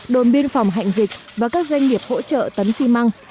đồn biên phòng hạnh dịch và các doanh nghiệp hỗ trợ tấn xi măng